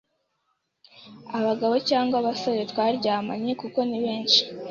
abagabo cyangwa abasore twaryamanye kuko ni benshi,